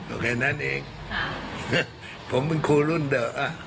โอเคนั้นเองผมเป็นครูรุ่นเดอะ